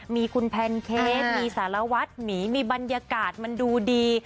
มีคุณแพนเค้กมีสารวัตรหมีมีบรรยากาศมันดูดี